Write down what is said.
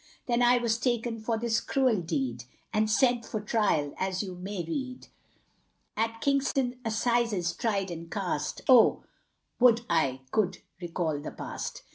Then I was taken for this cruel deed, And sent for trial, as you may read; At Kingston assizes, tried and cast, Oh, would I could recall the past.